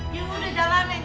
ini udah jalanin